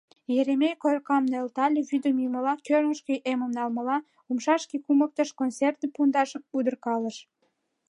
Еремей коркам нӧлтале, вӱдым йӱмыла, кӧргышкӧ эмым налмыла, умшашке кумыктыш, консерве пундашым удыркалыш.